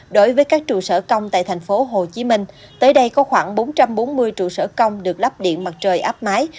đối với các trụ sở công tại tp hcm tới đây có khoảng bốn trăm bốn mươi trụ sở công được lắp điện mặt trời áp máy